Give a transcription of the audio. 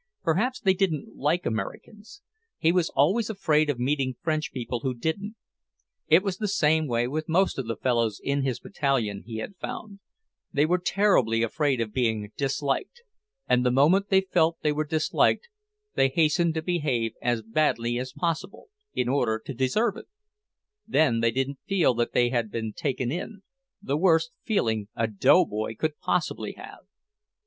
Perhaps they didn't like Americans; he was always afraid of meeting French people who didn't. It was the same way with most of the fellows in his battalion, he had found; they were terribly afraid of being disliked. And the moment they felt they were disliked, they hastened to behave as badly as possible, in order to deserve it; then they didn't feel that they had been taken in the worst feeling a doughboy could possibly have!